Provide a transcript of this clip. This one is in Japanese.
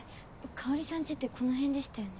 香さんちってこの辺でしたよね？